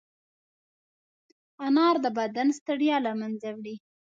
انار د بدن ستړیا له منځه وړي.